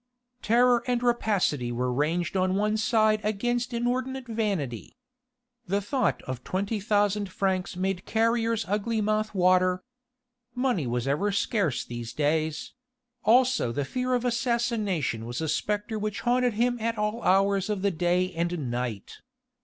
Terror and rapacity were ranged on one side against inordinate vanity. The thought of twenty thousand francs made Carrier's ugly mouth water. Money was ever scarce these days: also the fear of assassination was a spectre which haunted him at all hours of the day and night.